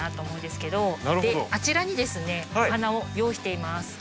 あちらにですねお花を用意しています。